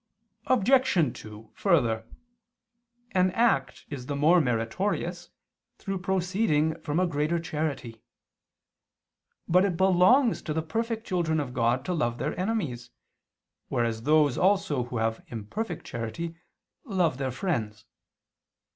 Obj. 2: Further, an act is the more meritorious through proceeding from a greater charity. But it belongs to the perfect children of God to love their enemies, whereas those also who have imperfect charity love their friends.